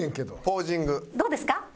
どうですか？